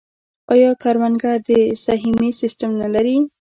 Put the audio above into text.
آیا کروندګر د سهمیې سیستم نلري؟